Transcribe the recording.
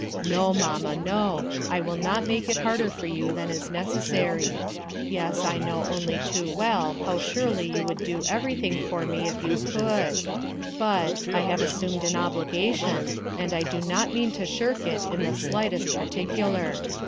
"Xo, mamma, no, I trill not make it harder for you than is necessary. Yes, I know too well how surely you would do everything for me if you could ; but — I have assumed an obligation, and I do not mean to shirk it in the slightest particular.